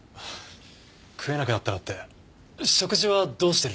食えなくなったらって食事はどうしてるんです？